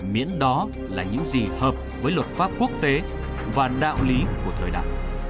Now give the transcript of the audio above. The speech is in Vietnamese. miễn đó là những gì hợp với luật pháp quốc tế và đạo lý của thời đại